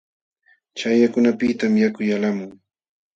Chaqyakunapiqtam yaku yalqamun.